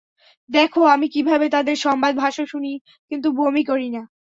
দেখো আমি কীভাবে তাদের সংবাদ ভাষ্য শুনি কিন্তু বমি করি না।